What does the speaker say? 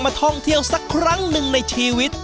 ท่องเที่ยวสักครั้งหนึ่งในชีวิต